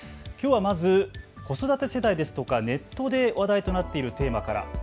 きょうはまず、子育て世代ですとかネットで話題となっているテーマから。